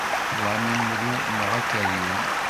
Tlam imru neɣ akeryun?